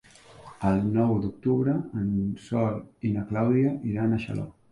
El nou d'octubre en Sol i na Clàudia iran a Xaló.